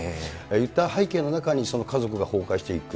いった背景の中に、家族が崩壊していく。